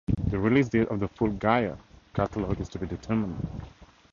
The release date of the full "Gaia" catalogue is to be determined.